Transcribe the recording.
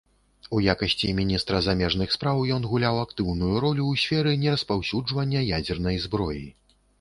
У якасці міністра замежных спраў ён гуляў актыўную ролю ў сферы нераспаўсюджвання ядзернай зброі.